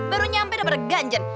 baru nyampe dapet ganjen